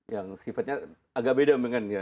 yang sifatnya agak beda